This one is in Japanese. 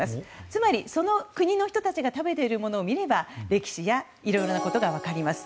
つまり、その国の人たちが食べているものを見れば歴史やいろいろなことが分かります。